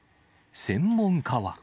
専門家は。